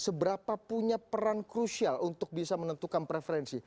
seberapa punya peran krusial untuk bisa menentukan preferensi